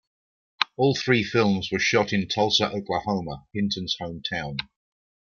All three films were shot in Tulsa, Oklahoma, Hinton's hometown.